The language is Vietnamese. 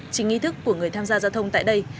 chính ý thức của người tham gia giao thông tại đây